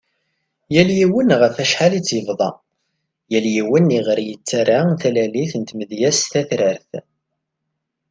Yal yiwen ɣef acḥal i tt-yebḍa, yal yiwen i ɣer yettara talalit n tmedyazt tatrart .